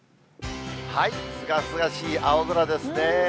すがすがしい青空ですね。